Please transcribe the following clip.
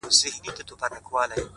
پوره اتلس سوه کاله چي خندا ورکړه خو;